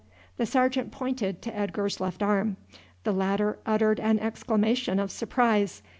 The sergeant pointed to Edgar's left arm. The latter uttered an exclamation of surprise.